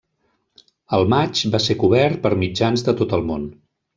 El matx va ser cobert per mitjans de tot el món.